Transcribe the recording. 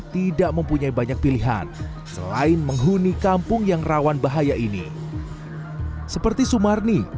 tidak mempunyai banyak pilihan selain menghuni kampung yang rawan bahaya ini seperti sumarni